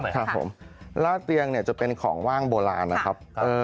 ข้างบัวแห่งสันยินดีต้อนรับทุกท่านนะครับ